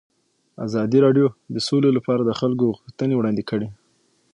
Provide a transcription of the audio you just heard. ازادي راډیو د سوله لپاره د خلکو غوښتنې وړاندې کړي.